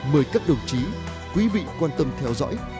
mời các đồng chí quý vị quan tâm theo dõi